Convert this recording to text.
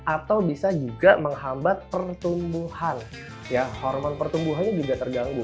atau bisa juga menghambat pertumbuhan ya hormon pertumbuhannya juga terganggu